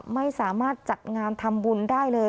ไม่สามารถจัดงานทำบุญได้เลย